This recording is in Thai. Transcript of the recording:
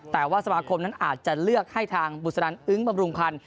แต่ว่าสมาคมนั้นอาจจะเลือกให้ทางบุษนันอึ้งบำรุงพันธ์